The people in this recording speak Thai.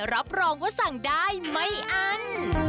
รับรองว่าสั่งได้ไม่อัน